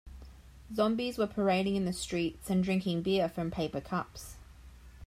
Zombies were parading in the streets and drinking beer from paper cups.